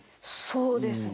そうですね。